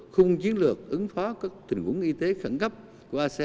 khung chiến lược ứng phó các tình huống y tế khẩn cấp của asean